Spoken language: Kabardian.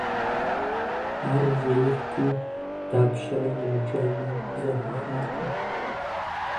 Ар жейрти, дапщэрэ емыджами зэхихакъым.